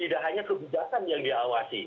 tidak hanya kekejaksaan yang dia awasi